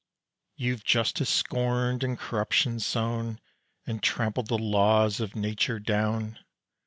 "You've justice scorned, and corruption sown, And trampled the laws of nature down.